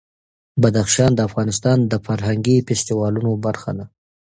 بدخشان د افغانستان د فرهنګي فستیوالونو برخه ده.